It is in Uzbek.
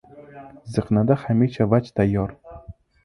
Ziqnada hamisha vaj tayyor.